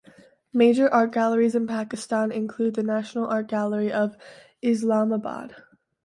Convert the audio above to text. Major art galleries in Pakistan include the National Art Gallery in Islamabad.